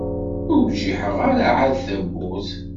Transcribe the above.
Ur bjiḥeɣ ara ɛad tawwurt.